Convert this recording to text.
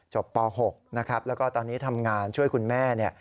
จบป๖และก็ตอนนี้ทำงานช่วยคุณแม่